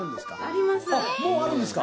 あります。